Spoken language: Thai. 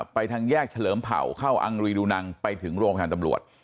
ทางแยกเฉลิมเผ่าเข้าอังรีดูนังไปถึงโรงพยาบาลตำรวจ